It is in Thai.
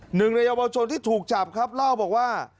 หนึ่งในเยาวชนที่ถูกจับครับเล่าบอกว่า